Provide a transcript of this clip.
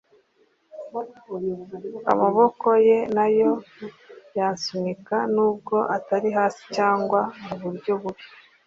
amaboko ye nayo yansunika, nubwo atari hasi cyangwa muburyo bubi